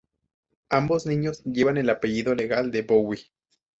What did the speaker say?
Ambos niños llevan el apellido legal de Bowie.